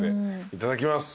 いただきます。